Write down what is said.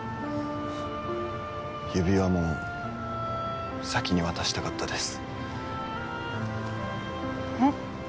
指輪も先に渡したかったですえっ？